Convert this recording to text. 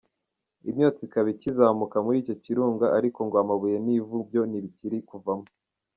Imyotsi ikaba ikizamuka muri icyo kirunga ariko ngo amabuye n’ivu byo ntibikiri kuvamo.